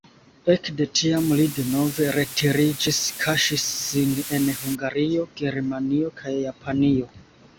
Ekde tiam li denove retiriĝis, kaŝis sin en Hungario, Germanio kaj Japanio.